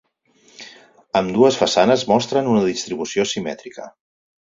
Ambdues façanes mostren una distribució simètrica.